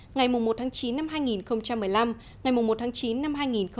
ngày một tháng chín năm hai nghìn một mươi năm ngày một tháng chín năm hai nghìn một mươi chín